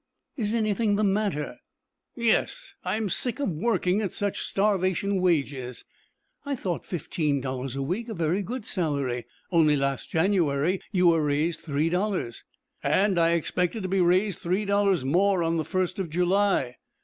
"Is anything the matter?" "Yes; I'm sick of working at such starvation wages." "I thought fifteen dollars a week a very good salary. Only last January you were raised three dollars." "And I expected to be raised three dollars more on the first of July."